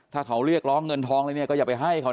ถ้าเขาเรียกร้องเงินทองอะไรเนี่ยก็อย่าไปให้เขา